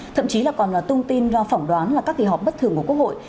thậm chí là còn là tung tin phỏng đoán là các kỳ họp bất thường của quốc hội